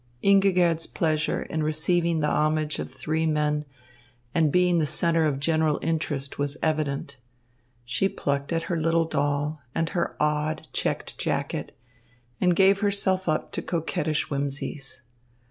Ingigerd's pleasure in receiving the homage of three men and being the centre of general interest was evident. She plucked at her little doll and her odd, checked jacket, and gave herself up to coquettish whimsies.